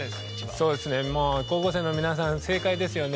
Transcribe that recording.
そうですね高校生の皆さん正解ですよね。